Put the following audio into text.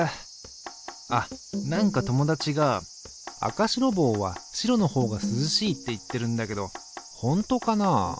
あっ何か友達が赤白帽は白のほうが涼しいって言ってるんだけどほんとかな。